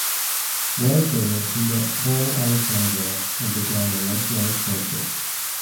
While there he met Paul Alexandrov and began a lifelong friendship.